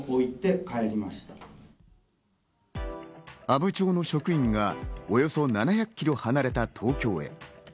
阿武町の職員がおよそ７００キロ離れた東京へ。